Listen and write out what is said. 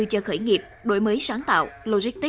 cho khởi nghiệp đổi mới sáng tạo